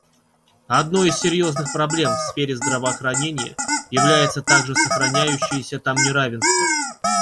Одной из серьезных проблем в сфере здравоохранения является также сохраняющееся там неравенство.